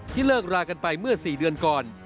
เลิกรากันไปเมื่อ๔เดือนก่อน